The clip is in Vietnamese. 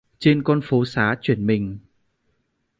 Trên con phố xá chuyển mình